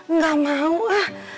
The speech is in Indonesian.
enggak mau ah